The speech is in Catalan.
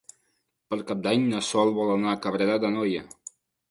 Per Cap d'Any na Sol vol anar a Cabrera d'Anoia.